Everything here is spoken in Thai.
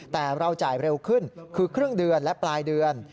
แต่เราจ่ายเร็วขึ้นคือครึ่งเดือนและปลายเดือน